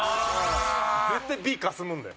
絶対Ｂかすむんだよ。